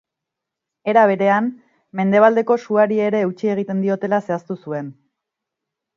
Era berean, mendebaldeko suari ere eutsi egiten diotela zehaztu zuen.